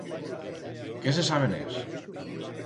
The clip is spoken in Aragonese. Qué se saben ers!